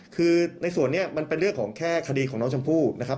คือในส่วนนี้มันเป็นเรื่องของแค่คดีของน้องชมพู่นะครับ